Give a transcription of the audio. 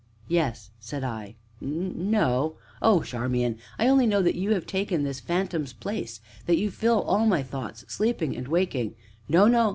"Yes," said I; "no oh, Charmian! I only know that you have taken this phantom's place that you fill all my thoughts sleeping, and waking " "No! No!"